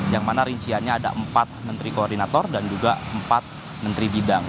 yang mana rinciannya ada empat menteri koordinator dan juga empat menteri bidang